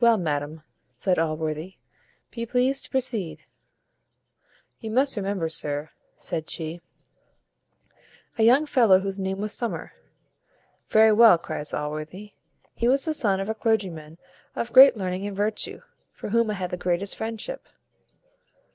"Well, madam," said Allworthy, "be pleased to proceed." "You must remember, sir," said she, "a young fellow, whose name was Summer." "Very well," cries Allworthy, "he was the son of a clergyman of great learning and virtue, for whom I had the highest friendship."